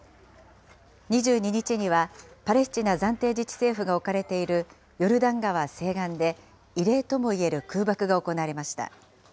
２２日には、パレスチナ暫定自治政府が置かれているヨルダン川西岸で、異例ともいえる空爆が行われました。